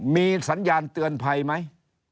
มีสัญญาณเตือนภัยไหม